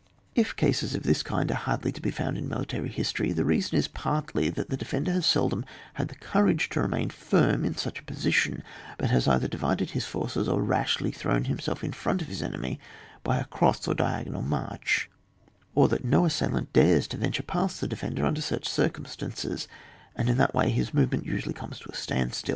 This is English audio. If cases of this kind are hardly to be found in military history, the reason is, partly, that the defender has seldom had the courage to remain flrm in such a position, but has either divided his forces, or rashly thrown himself in front of his enemy by a cross or diagonal march, or that n* assailant dares to ven ture past the defender under such circum stances, and in that way his movement usually comes to a stand stiU.